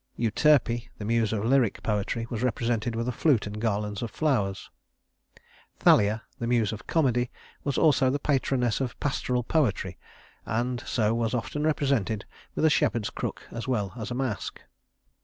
Euterpe, the Muse of lyric poetry, was represented with a flute and garlands of flowers. Thalia, the Muse of comedy, was also the patroness of pastoral poetry, and so was often represented with a shepherd's crook as well as a mask.